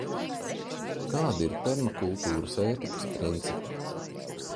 Kādi ir permakultūras ētikas principi?